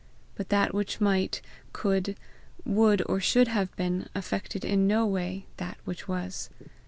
But that which might, could, would, or should have been, affected in no way that which was.